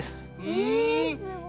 えすごい。